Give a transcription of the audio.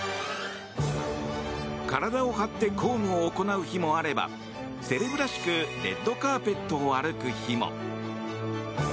体を張って公務を行う日もあればセレブらしくレッドカーペットを歩く日も。